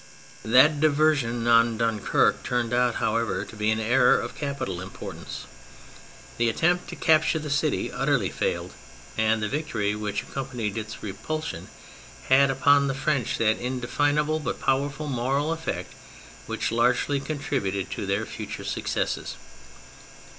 That diversion on Dunquerque turned out, however, to be an error of capital importance. The attempt to capture the city utterly failed, and the victory which accompanied its re pulsion had upon the French that indefinable but powerful moral effect which largely contributed to their future successes.